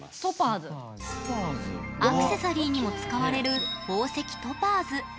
アクセサリーにも使われる宝石、トパーズ。